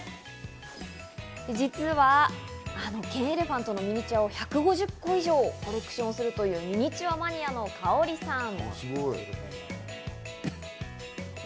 実はケンエレファントのミニチュアを１５０個以上コレクションするというミニチュアマニアのカオリさん。